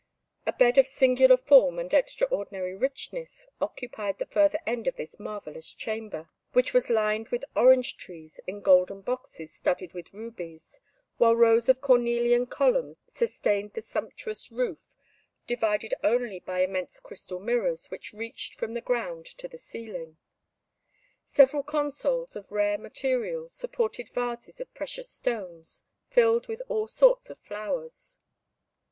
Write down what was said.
A bed of singular form and extraordinary richness, occupied the further end of this marvellous chamber, which was lined with orange trees in golden boxes studded with rubies, while rows of cornelian columns sustained the sumptuous roof, divided only by immense crystal mirrors which reached from the ground to the ceiling. Several consoles, of rare materials, supported vases of precious stones, filled with all sorts of flowers.